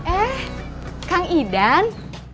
eh kak idan